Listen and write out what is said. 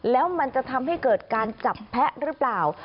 แล้วมันจะทำให้เกิดการจับแพะหรือเปล่า